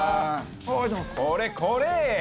これこれ！